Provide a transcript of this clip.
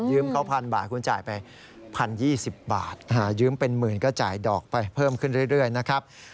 เขา๑๐๐บาทคุณจ่ายไป๑๐๒๐บาทยืมเป็นหมื่นก็จ่ายดอกไปเพิ่มขึ้นเรื่อยนะครับ